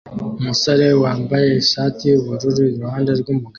Umusore wambaye ishati yubururu iruhande rwumugabo